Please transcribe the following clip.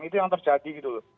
itu yang terjadi gitu loh